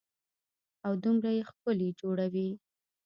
او دومره يې ښکلي جوړوي.